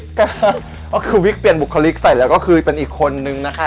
ก็คือวิกเปลี่ยนบุคลิกใส่แล้วก็คือเป็นอีกคนนึงนะคะ